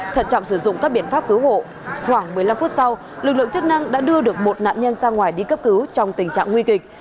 thận trọng sử dụng các biện pháp cứu hộ khoảng một mươi năm phút sau lực lượng chức năng đã đưa được một nạn nhân ra ngoài đi cấp cứu trong tình trạng nguy kịch